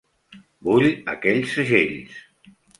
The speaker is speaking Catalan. Vull aquells segells!